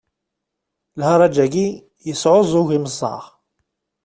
Lharaǧ-agi yesɛuẓẓug imeẓaɣ.